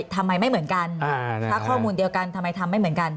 ทำไมไม่เหมือนกันถ้าข้อมูลเดียวกันทำไมทำไม่เหมือนกัน